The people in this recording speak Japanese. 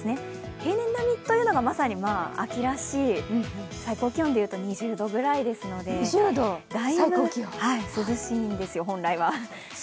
平年並みというのがまさに秋らしい最高気温でいうと２０度ぐらいですので、だいぶ涼しいんですよ、本来は。